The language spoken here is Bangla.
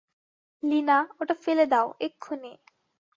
লীনা, ওটা ফেলে দাও, এক্ষুণি।